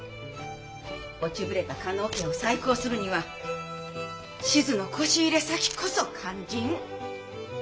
落ちぶれた加納家を再興するには志津の輿入れ先こそ肝心。